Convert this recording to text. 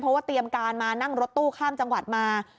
เพราะว่าเตรียมการมานั่งรถตู้ข้ามจังหวัดมา